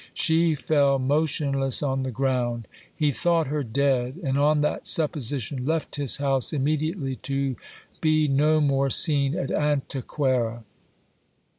She fell motionless on the ground. He thought her dead ; and on that supposition left his house immediately to be no more seen at Antequera.